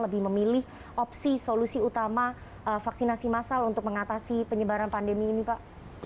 lebih memilih opsi solusi utama vaksinasi massal untuk mengatasi penyebaran pandemi ini pak